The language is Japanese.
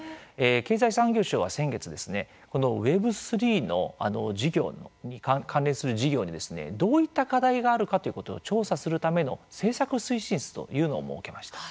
経済産業省は先月、このＷｅｂ３の事業に関連する事業にどういった課題があるかということを調査するための政策推進室というのを設けました。